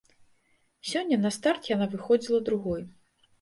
Сёння на старт яна выходзіла другой.